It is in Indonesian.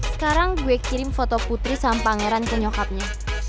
sekarang gue kirim foto putri sang pangeran ke nyokapnya